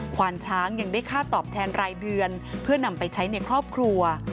ขวานช้างยังได้ค่าตอบแทนรายเดือนเพื่อนำไปใช้ในครอบครัว